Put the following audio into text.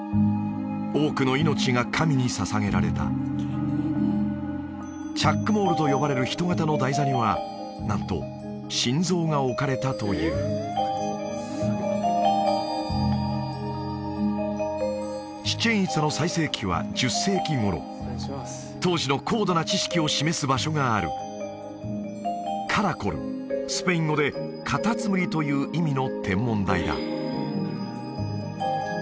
多くの命が神に捧げられたチャック・モールと呼ばれる人型の台座にはなんと心臓が置かれたというチチェン・イツァの最盛期は１０世紀頃当時の高度な知識を示す場所があるカラコルスペイン語でカタツムリという意味の天文台だ